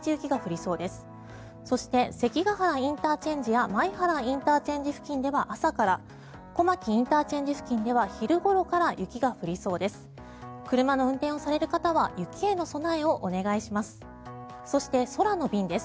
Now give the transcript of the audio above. そして、関ヶ原ＩＣや米原ＩＣでは朝から小牧ＩＣでは昼ごろから雪が降りそうです。